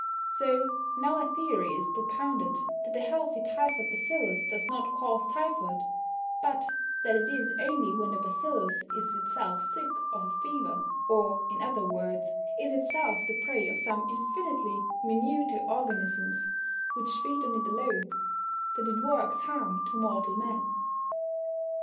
So now a theory is propounded that a healthy typhoid bacillus does not cause typhoid, but that it is only when the bacillus is itself sick of a fever, or, in other words, is itself the prey of some infinitely minuter organisms, which feed on it alone, that it works harm to mortal men.